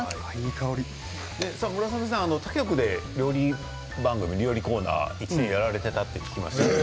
村雨さんは他局で料理コーナーを１年やられていたと聞きましたけれども。